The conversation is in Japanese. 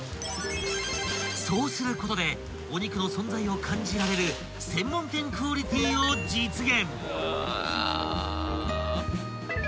［そうすることでお肉の存在を感じられる専門店クオリティーを実現］